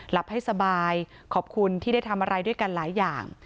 หลับให้สบายขอบคุณที่ได้ทำอะไรด้วยกันหลายอย่าง